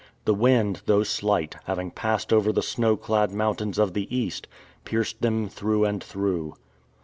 The wind, though slight, having passed over the snow clad mountains of the east, pierced them through and through.